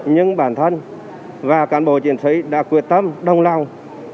nhưng bản thân và cán bộ chiến sĩ đã quyết tâm đồng lòng